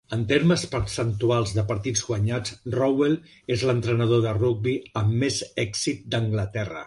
En termes percentuals de partits guanyats, Rowell és l'entrenador de rugbi amb més èxit d'Anglaterra.